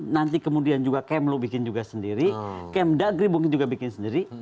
nanti kemudian juga kmlu bikin juga sendiri kmdgri mungkin juga bikin sendiri